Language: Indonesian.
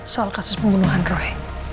soal kasus pembunuhan roy